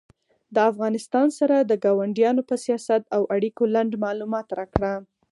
د افغانستان سره د کاونډیانو په سیاست او اړیکو لنډ معلومات راکړه